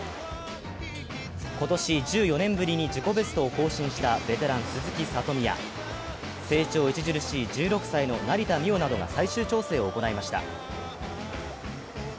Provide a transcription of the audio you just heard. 今年１４年ぶりに自己ベストを更新したベテラン・鈴木聡美や成長著しい１６歳の成田実生などが最終調整を行いました。